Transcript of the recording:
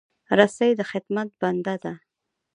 رسۍ د خدمت بنده ده.